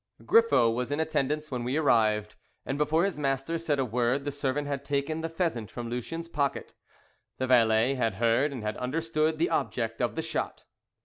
GRIFFO was in attendance when we arrived, and before his master said a word the servant had taken the pheasant from Lucien's pocket. The valet had heard and had understood the object of the shot.